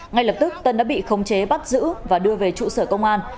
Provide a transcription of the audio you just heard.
ngay lập tức tân đã bị khống chế bắt giữ và đưa về trụ sở công an